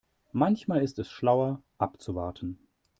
Manchmal ist es schlauer abzuwarten.